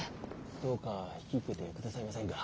どうか引き受けて下さいませんか。